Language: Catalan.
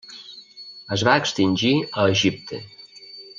Es va extingir a Egipte.